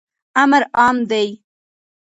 امر عام دی.